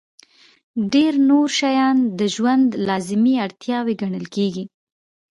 ډېر نور شیان د ژوند لازمي اړتیاوې ګڼل کېږي.